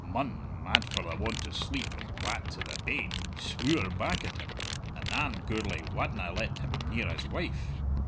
Munn, mad for the want of sleep and wat to the bane, swüre back at him; and than Gourlay wadna let him near his wife!